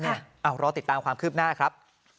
รอติดตามความคืบหน้าครับ